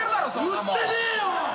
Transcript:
売ってねえよ！